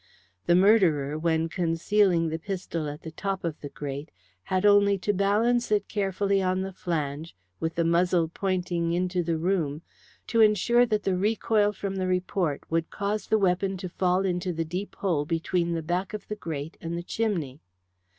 The murderer, when concealing the pistol at the top of the grate, had only to balance it carefully on the flange, with the muzzle pointing into the room, to ensure that the recoil from the report would cause the weapon to fall into the deep hole between the back of the grate and the chimney.